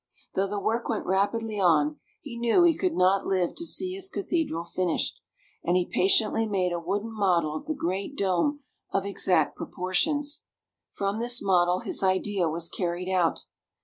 Though the work went rapidly on, he knew he could not live to see his cathedral finished, and he patiently made a wooden model of the great dome of exact proportions. From this model his idea was carried out.